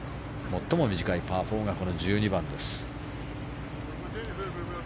最も短いパー４が１２番です。